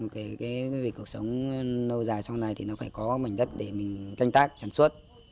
cái cuộc sống lâu dài sau này thì nó phải có mảnh đất để mình canh tác sản xuất